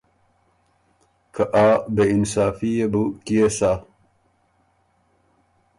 که آ بې انصافي يې بُو کيې سَۀ؟